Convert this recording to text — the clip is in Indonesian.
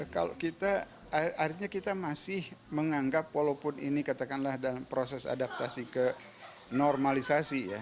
kalau kita artinya kita masih menganggap walaupun ini katakanlah dalam proses adaptasi ke normalisasi ya